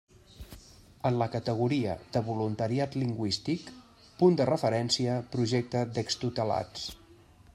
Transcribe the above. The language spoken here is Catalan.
En la categoria de voluntariat lingüístic, Punt de Referència – Projecte d'extutelats.